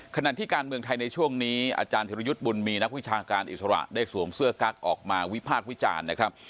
ขณะที่การเมืองไทยในช่วงนี้อาจารย์ธิรยุทธ์บุญมีนักวิชาการอิสระได้สวมเสื้อกั๊กออกมาวิพากษ์วิจารณ์นะครับ